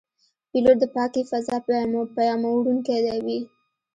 پیلوټ د پاکې فضا پیاموړونکی وي.